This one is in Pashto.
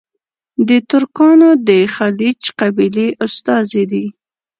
د ترکانو د خیلیچ قبیلې استازي دي.